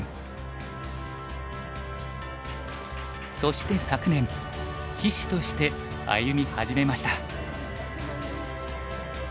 そして昨年棋士として歩み始めました。